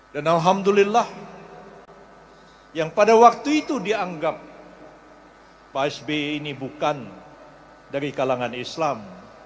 dan alhamdulillah yang pada waktu itu dianggap pak sbi ini bukan dari kalangan islam